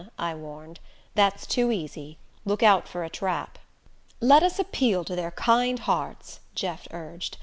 I warned. "That's too easy. Look out for a trap." "Let us appeal to their kind hearts," Jeff urged.